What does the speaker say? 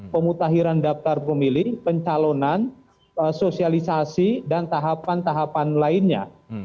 pemutahiran daftar pemilih pencalonan sosialisasi dan tahapan tahapan lainnya